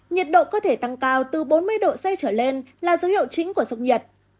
nhiệt độ có thể tăng cao từ bốn mươi độ c trở lên là dấu hiệu chính của sốc nhiệt